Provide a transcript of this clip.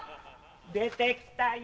出て来たよ